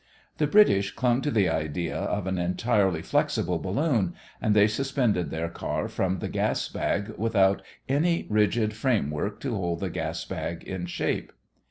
The British clung to the idea of an entirely flexible balloon and they suspended their car from the gas bag without any rigid framework to hold the gas bag in shape.